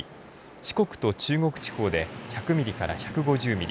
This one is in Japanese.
四国と中国地方で１００ミリから１５０ミリ